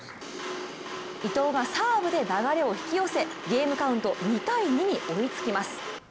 伊藤がサーブで流れを引き寄せ、ゲームカウント２−２に追いつきます。